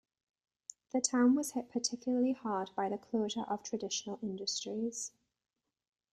The town was hit particularly hard by the closure of traditional industries.